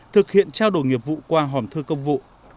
thực hiện trao đổi nghiệp vụ qua hòm thư công vụ